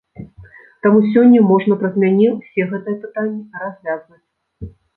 Таму сёння можна праз мяне ўсе гэтыя пытанні развязваць.